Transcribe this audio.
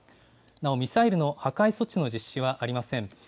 なおミサイルの破壊措置の実施はありません。